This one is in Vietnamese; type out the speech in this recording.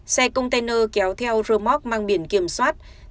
xe container kéo theo rơ móc mang biển kiểm soát